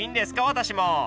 私も。